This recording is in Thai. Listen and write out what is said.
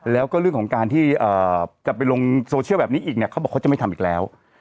แล้วก็เรื่องของการที่จะไปลงโซเชียลแบบนี้อีกเนี่ยเขาบอกเขาจะไม่ทำอีกแล้ว